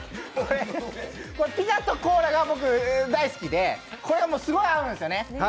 ピザとコーラが大好きで、これすごい合うんですよね。